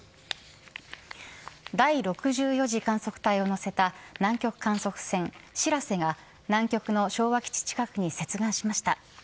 第６４次観測隊を乗せた南極観測船しらせが南極の昭和基地近くに接岸しました。